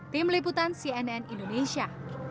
tim liputan cnn indonesia